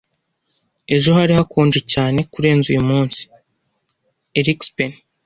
Ejo hari hakonje cyane kurenza uyumunsi. (erikspen)